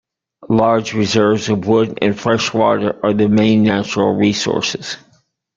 Large reserves of wood and fresh water are the main natural resources.